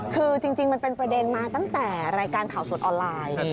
คือจริงมันเป็นประเด็นมาตั้งแต่รายการข่าวสดออนไลน์